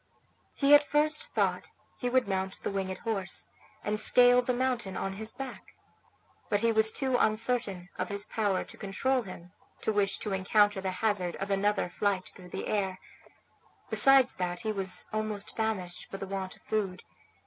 He at first thought he would mount the winged horse, and scale the mountain on his back; but he was too uncertain of his power to control him to wish to encounter the hazard of another flight through the air, besides that he was almost famished for the want of food.